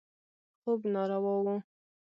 خوب ناروا و.